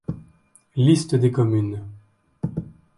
Liste des communes.